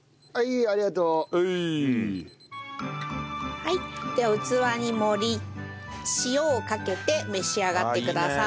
はいでは器に盛り塩をかけて召し上がってください。